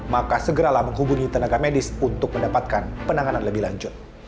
maka segeralah menghubungi tenaga medis untuk mendapatkan penanganan lebih lanjut